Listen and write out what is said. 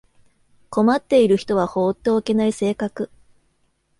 困っている人は放っておけない性格